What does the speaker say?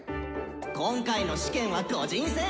「今回の試験は個人戦！